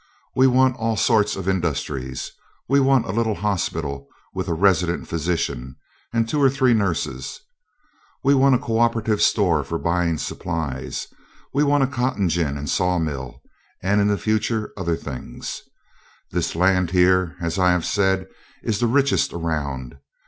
We want all sorts of industries; we want a little hospital with a resident physician and two or three nurses; we want a cooperative store for buying supplies; we want a cotton gin and saw mill, and in the future other things. This land here, as I have said, is the richest around.